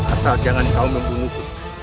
asal jangan kau membunuhku